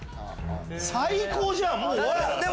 最高じゃん。